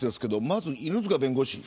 まず犬塚弁護士。